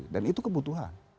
dan itu kebutuhan